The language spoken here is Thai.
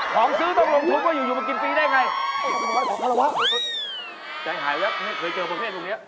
ของซื้อต้องลงทุกว่าอยู่มากินฟรีได้ไง